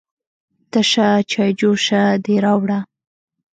_تشه چايجوشه دې راوړه؟